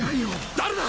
誰だ！